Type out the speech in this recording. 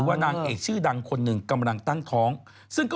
ว่านางเอกชื่อดังคนหนึ่งกำลังตั้งท้อง